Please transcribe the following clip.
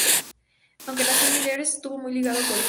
Aunque nació en Mieres, estuvo muy ligado a Colunga.